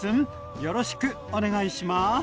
よろしくお願いします。